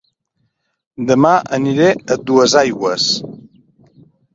Dema aniré a Duesaigües